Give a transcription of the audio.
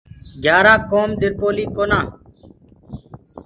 گھِيآرآ ڪوم ڏرِپوليٚ ڪونآئي اور